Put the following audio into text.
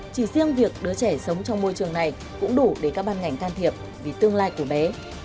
chỉ riêng việc đứa trẻ sống trong môi trường này cũng đủ để các ban ngành can thiệp vì tương lai của bé